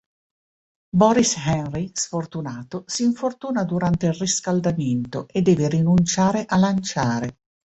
Boris Henry, sfortunato, si infortuna durante il riscaldamento e deve rinunciare a lanciare.